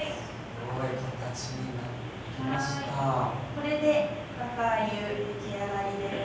これで若あゆ出来上がりです。